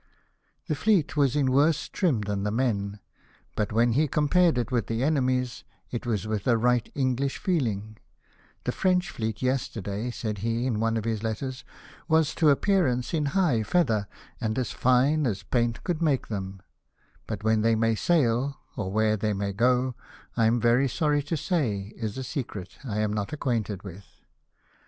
The fleet was in worse trim than the men, but when he compared it with the enemy's, it was with a right Enghsh feeling "The French fleet yesterday," said he, in one of his letters, " was to appearance in high feather, and as fine as paint could make them ; but when they may sail, or where they may go, I am very sorry to say, is a secret I am not acquainted with.